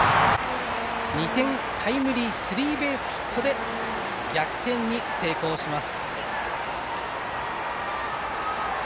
２点タイムリースリーベースヒットで逆転に成功します。